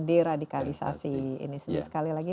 deradikalisasi ini sendiri sekali lagi